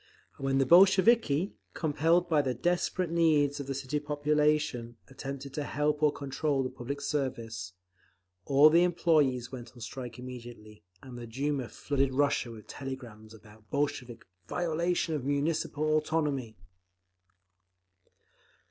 And when the Bolsheviki, compelled by the desperate needs of the city population, attempted to help or to control the public service, all the employees went on strike immediately, and the Duma flooded Russia with telegrams about Bolshevik "violation of Municipal autonomy."